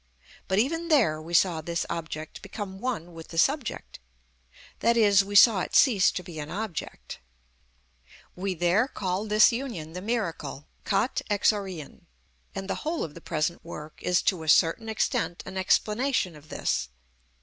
But even there we saw this object become one with the subject; that is, we saw it cease to be an object. We there called this union the miracle κατ᾽ εξοχην, and the whole of the present work is to a certain extent an explanation of this.